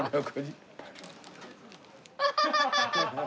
ハハハハ！